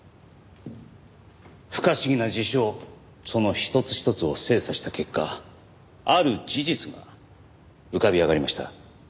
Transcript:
不可思議な事象その一つ一つを精査した結果ある事実が浮かび上がりました。